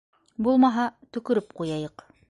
Булмаһа, төкөрөп ҡуяйыҡ.